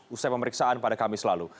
usai pemeriksaan pada kamis lalu